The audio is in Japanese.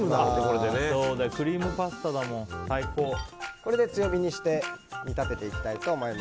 これで強火にして煮立てていきたいと思います。